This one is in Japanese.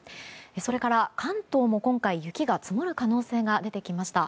それから関東も今回雪が積もる可能性が出てきました。